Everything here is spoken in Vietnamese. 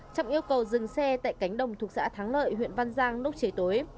trọng yêu cầu dừng xe tại cánh đồng thuộc xã thắng lợi huyện văn giang lúc chế tối